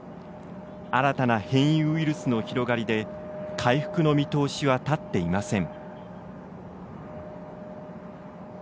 新たな変異ウイルスの広がりで回復の見通しは立っていません。